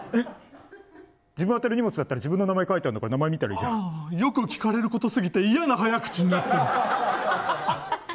自分宛の荷物だったら自分の名前が書いてあるんだから名前、見たらいいじゃん。よく聞かれることすぎて嫌な早口になってる。